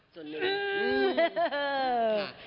ส่วนหนึ่ง